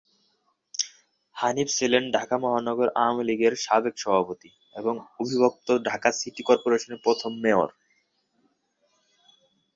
হানিফ ছিলেন ঢাকা মহানগর আওয়ামী লীগের সাবেক সভাপতি এবং অবিভক্ত ঢাকা সিটি কর্পোরেশনের প্রথম মেয়র।